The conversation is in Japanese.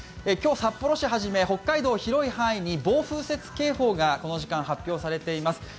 今日、札幌市はじめ北海道、広い範囲で暴風雪警報がこの時間発表されています。